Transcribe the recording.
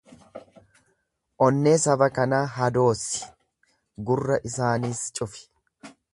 Onnee saba kanaa hadoossi, gurra isaaniis cufi.